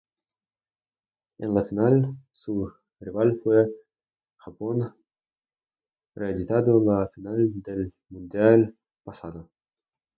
En la final, su rival fue Japón, reeditando la final del Mundial pasado.